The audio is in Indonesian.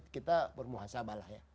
kita bermuasabalah ya